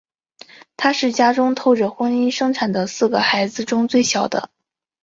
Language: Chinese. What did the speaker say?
他是家中透过婚姻生产的四个孩子中最小的。